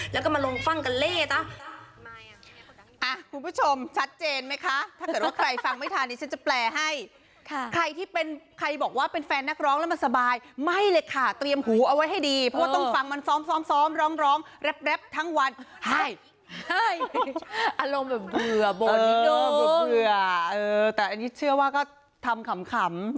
แล้วก็มาลงฟังกันเล่ตะอ่ะคุณผู้ชมชัดเจนไหมคะถ้าเกิดว่าใครฟังไม่ทานนี้ฉันจะแปลให้ค่ะใครที่เป็นใครบอกว่าเป็นแฟนนักร้องแล้วมันสบายไม่เลยค่ะเตรียมหูเอาไว้ให้ดีเพราะว่าต้องฟังมันซ้อมซ้อมซ้อมร้องร้องแร็ปแร็ปทั้งวันอารมณ์แบบเบื่อเบื่อเบื่อเออแต่อันนี้เชื่อว่าก็ทำขํ